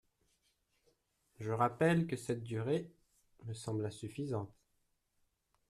Je rappelle que cette durée me semble insuffisante.